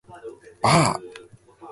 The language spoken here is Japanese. アンコールワットへ行く